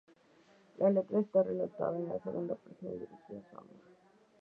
La letra está relatada en segunda persona y dirigida a su "amor".